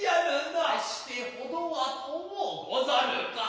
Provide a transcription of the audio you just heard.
して程は遠う御座るか。